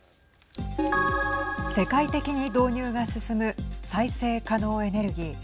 世界的に導入が進む再生可能エネルギー。